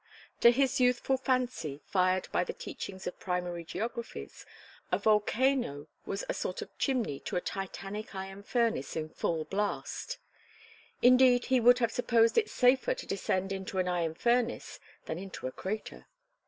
To his youthful fancy, fired by the teachings of primary geographies, a volcano was a sort of chimney to a titanic iron furnace in full blast; indeed, he would have supposed it safer to descend into an iron furnace than into the crater.